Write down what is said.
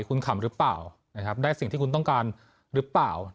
คุณขำหรือเปล่านะครับได้สิ่งที่คุณต้องการหรือเปล่า